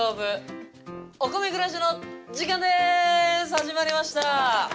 始まりました！